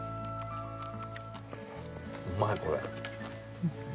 うまいこれ。